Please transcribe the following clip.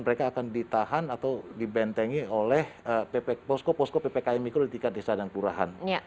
mereka akan ditahan atau dibentengi oleh posko posko ppkm mikro di tingkat desa dan kelurahan